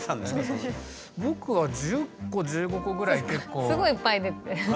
僕はすごいいっぱい出て。